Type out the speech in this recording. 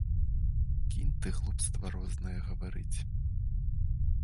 Кінь ты глупства рознае гаварыць.